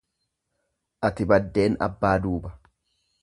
Ati baddeen abbaa duuba.